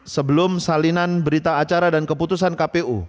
sebelum salinan berita acara dan keputusan kpu